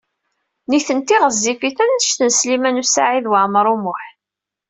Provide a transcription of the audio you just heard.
Nitni ɣezzifit anect n Sliman U Saɛid Waɛmaṛ U Muḥ.